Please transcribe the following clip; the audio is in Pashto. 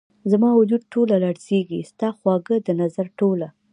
زما وجود ټوله لرزیږې ،ستا خواږه ، دنظر ټوله